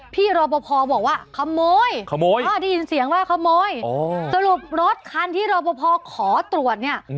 พี่โรปพอร์บอกว่าขโมยเขาได้ยินเสียงว่าขโมยสรุปรถคันที่โรปพอร์ขอตรวจเนี่ย